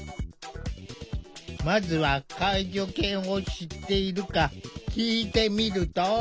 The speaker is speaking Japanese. まずは介助犬を知っているか聞いてみると。